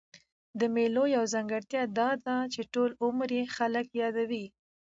د مېلو یوه ځانګړتیا دا ده، چي ټول عمر ئې خلک يادوي.